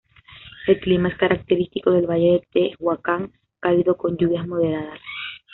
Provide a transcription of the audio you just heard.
El clima es característico del Valle de Tehuacán, cálido con lluvias moderadas.